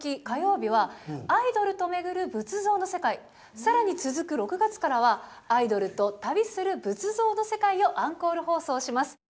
火曜日は「アイドルと巡る仏像の世界」更に続く６月からは「アイドルと旅する仏像の世界」をアンコール放送します。